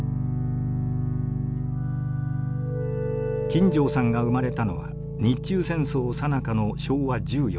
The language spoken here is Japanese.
金城さんが生まれたのは日中戦争さなかの昭和１４年。